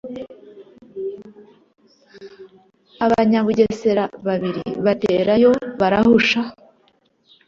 Abanyabugesera babiri baterayo barahusha